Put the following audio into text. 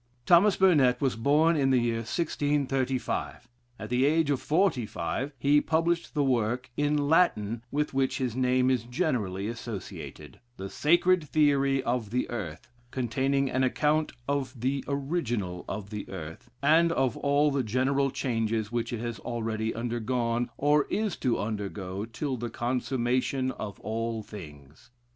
Thomas Burnet was born in the year 1635. At the age of forty five, he published the work, in Latin, with which his name is generally associated, "The Sacred Theory of the Earth: containing an account of the Original of the Earth, and of all the general changes which it has already undergone, or is to undergo, till the consummation of all Things."